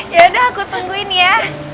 ya udah aku tungguin ya